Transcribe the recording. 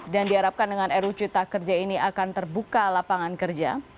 dan diharapkan dengan ru cipta kerja ini akan terbuka lapangan kerja